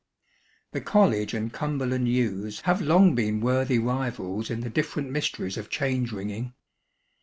The College and Cumberland Youths have long been worthy rivals in the different mysteries of change ringing.